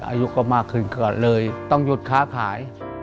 อายุก็มากขึ้นเกิดเลยต้องหยุดค้าขาย